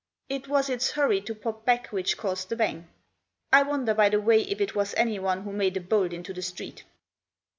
It was its hurry to pop back which caused the bang. I wonder, by the way, if it was anyone who made a bolt into the street."